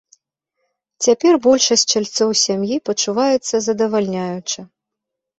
Цяпер большасць чальцоў сям'і пачуваецца здавальняюча.